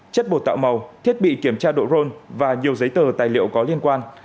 chất bồ tạo màu thiết bị kiểm tra độ rôn và nhiều giấy tờ tài liệu có liên quan